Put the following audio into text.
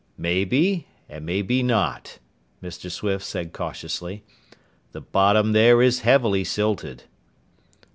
"Maybe and maybe not," Mr. Swift said cautiously. "The bottom there is heavily silted."